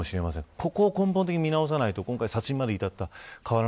ここを根本的に見直さないと今回、殺人まで至った。